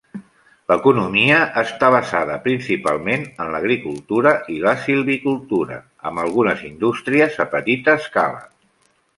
L'economia està basada principalment en l'agricultura i la silvicultura, amb algunes indústries a petita escala.